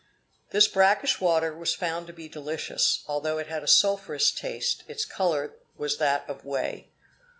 This brackish water was found to be delicious, although it had a sulphurous taste: its color was that of whey.